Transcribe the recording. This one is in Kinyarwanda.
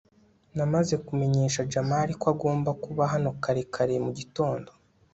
namaze kumenyesha jamali ko agomba kuba hano kare kare mugitondo